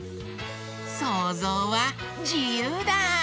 そうぞうはじゆうだ！